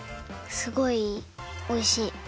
すごいおいしい。